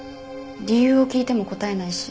理由を聞いても答えないし。